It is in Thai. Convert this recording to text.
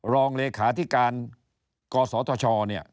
รองเลขาธิการกศธช